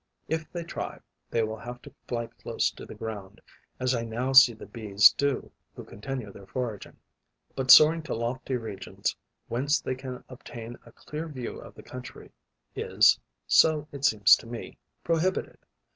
If they try, they will have to fly close to the ground, as I now see the Bees do who continue their foraging; but soaring to lofty regions, whence they can obtain a clear view of the country, is, so it seems to me, prohibited.